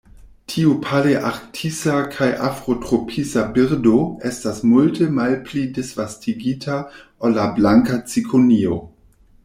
Tiu palearktisa kaj afrotropisa birdo estas multe malpli disvastigita ol la Blanka cikonio.